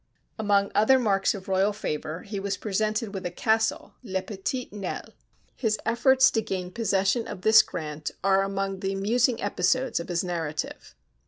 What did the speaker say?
Among other marks of royal favor he was presented with a castle, Le Petit Nesle. His efforts to gain possession of this grant are among the amusing episodes of his narrative.